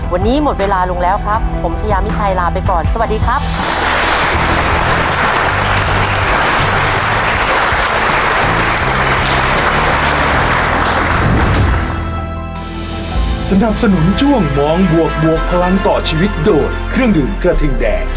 วันนี้หมดเวลาลงแล้วครับผมชายามิชัยลาไปก่อนสวัสดีครับ